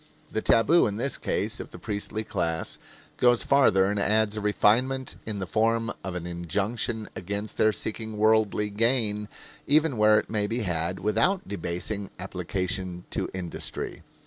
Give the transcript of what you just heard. The tabu in the case of the priestly class goes farther and adds a refinement in the form of an injunction against their seeking worldly gain even where it may be had without debasing application to industry.